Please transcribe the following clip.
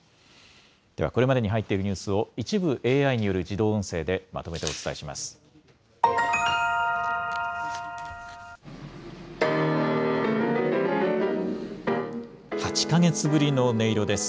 では、これまでに入っているニュースを、一部、ＡＩによる自動音声でまとめてお伝えします。